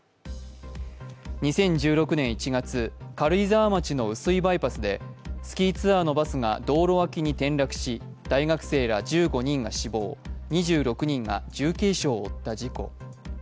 ２０１６年１月、軽井沢町の碓井バイパスでスキーツアーのバスが道路脇に転落し大学生ら１５人が死亡、２６人が重軽傷を負った事故。